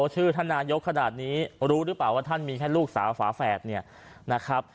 ชื่อท่านนายกขนาดนี้รู้หรือเปล่าว่าท่านมีแค่ลูกสาวฝาแฝดเนี่ยนะครับ